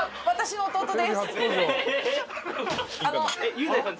雄大さん。